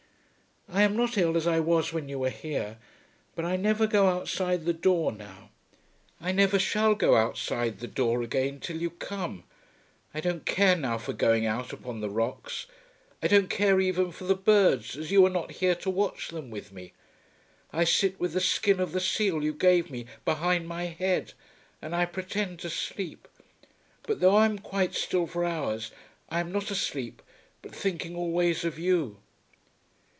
I am not ill as I was when you were here. But I never go outside the door now. I never shall go outside the door again till you come. I don't care now for going out upon the rocks. I don't care even for the birds as you are not here to watch them with me. I sit with the skin of the seal you gave me behind my head, and I pretend to sleep. But though I am quite still for hours I am not asleep, but thinking always of you.